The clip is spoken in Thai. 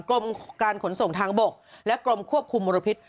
กรมการขนส่งทางบกและกรมควบคุมมลพิษ